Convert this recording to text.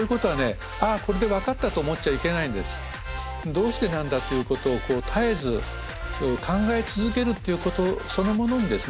どうしてなんだということを絶えず考え続けるっていうことそのものにですね